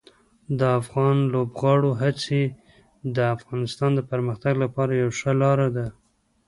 د افغان لوبغاړو هڅې د افغانستان د پرمختګ لپاره یوه ښه لار ده.